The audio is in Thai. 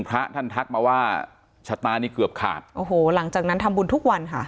พระท่านทักมาว่าชะตานี่เกือบขาดโอ้โหหลังจากนั้นทำบุญทุกวันค่ะ